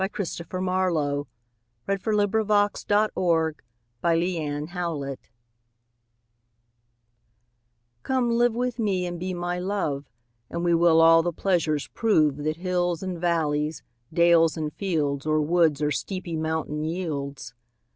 Christopher Marlowe. 1564–93 121. The Passionate Shepherd to His Love COME live with me and be my Love, And we will all the pleasures prove That hills and valleys, dales and fields, Or woods or steepy mountain yields.